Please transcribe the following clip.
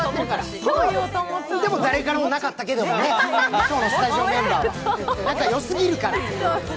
でも誰からもなかったけどね、今日のスタジオメンバーは仲良すぎるから。